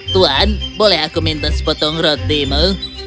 tuan boleh aku minta sepotong rotimu